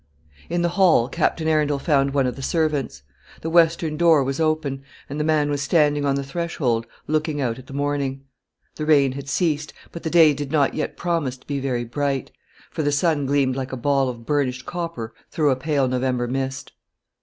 In the hall Captain Arundel found one of the servants. The western door was open, and the man was standing on the threshold looking out at the morning. The rain had ceased; but the day did not yet promise to be very bright, for the sun gleamed like a ball of burnished copper through a pale November mist.